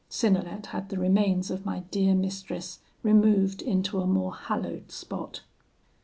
Synnelet had the remains of my dear mistress removed into a more hallowed spot.